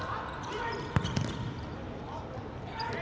สวัสดีครับทุกคน